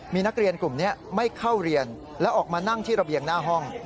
มีนักเรียนกลุ่มนี้ไม่เข้าเรียนแล้วออกมานั่งที่ระเบียงหน้าห้อง